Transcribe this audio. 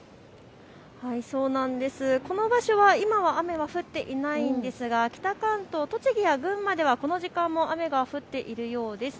この場所は今は雨が降っていないんですが北関東、栃木や群馬ではこの時間も雨が降っているようです。